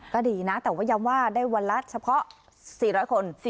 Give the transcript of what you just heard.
ก็ดีนะแต่ว่าย้ำว่าได้วันละเฉพาะ๔๐๐คน